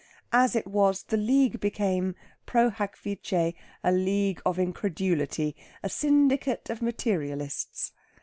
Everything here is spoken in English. As it was, the league became, pro hac vice, a league of Incredulity, a syndicate of Materialists.